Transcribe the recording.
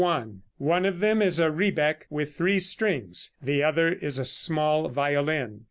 One of them is a rebec with three strings; the other is a small violin.